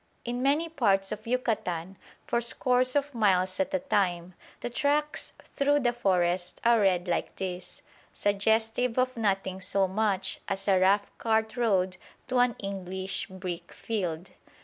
In many parts of Yucatan for scores of miles at a time the tracks through the forest are red like this, suggestive of nothing so much as a rough cart road to an English brick field.